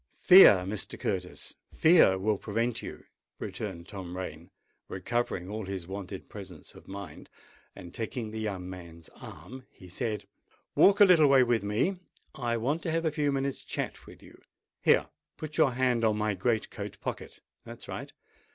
"Fear, Mr. Curtis—fear will prevent you," returned Tom Rain, recovering all his wonted presence of mind: and, taking the young man's arm, he said, "Walk a little way with me. I want to have a few minutes' chat with you. Here—put your hand on my great coat pocket: that's right!